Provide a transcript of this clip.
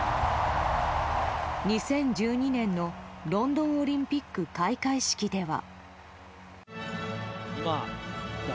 ２０１２年のロンドンオリンピック開会式では。